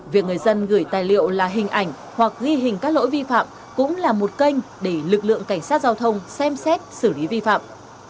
việc người dân gửi tài liệu là hình ảnh hoặc ghi hình các lỗi vi phạm cũng là một kênh để lực lượng cảnh sát giao thông xem xét xử lý vi phạm